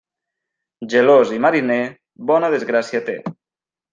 Gelós i mariner, bona desgràcia té.